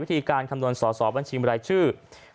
วิธีการคำนวณสอสอบัญชีบรายชื่อ